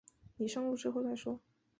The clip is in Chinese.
你上路之后再说